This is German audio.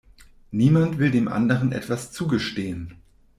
Niemand will dem anderen etwas zugestehen.